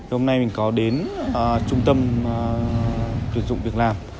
hôm nay mình có đến trung tâm tuyển dụng việc làm